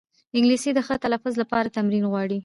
انګلیسي د ښه تلفظ لپاره تمرین غواړي